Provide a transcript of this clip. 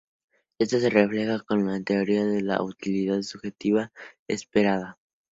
Esto se refleja en la teoría de la utilidad subjetiva esperada.